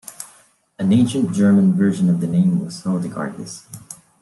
An ancient German version of the name was Hildegardis.